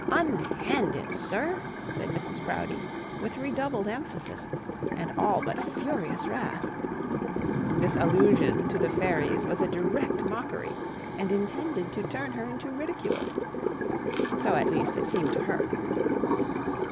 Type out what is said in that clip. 'Unhand it, sir!' said Mrs Proudie, with redoubled emphasis, and all but furious wrath. This allusion to the fairies was a direct mockery, and intended to turn her into ridicule. So at least it seemed to her.